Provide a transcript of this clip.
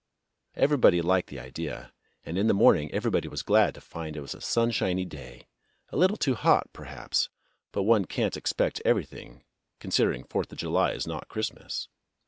Everybody liked the idea, and in the morning everybody was glad to find it was a sunshiny day; a little too hot, perhaps, but one can't expect every thing, considering Fourth of July is not Christmas.